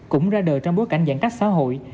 cũng ra đời trong bối cảnh giãn cách xã hội